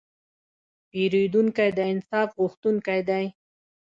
پیرودونکی د انصاف غوښتونکی دی.